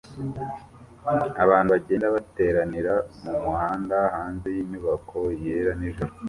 Abantu bagenda bateranira mumuhanda hanze yinyubako yera nijoro